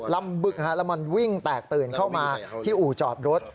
ลำบึกแล้วมันวิ่งแตกตื่นเข้ามาที่อู่จอดรถ